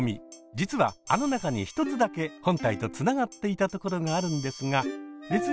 実はあの中に一つだけ本体とつながっていたところがあるんですが別に。